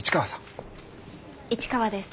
市川です。